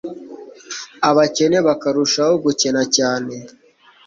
abakene bakarushaho gukena cyane